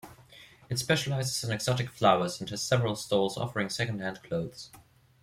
It specialises in exotic flowers and has several stalls offering secondhand clothes.